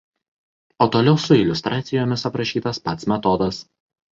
O toliau su iliustracijomis aprašytas pats metodas.